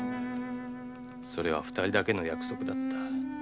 それは二人だけの約束だった。